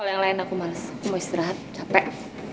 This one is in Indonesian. kalo yang lain aku males mau istirahat capek